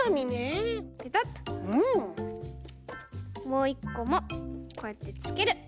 もういっこもこうやってつける。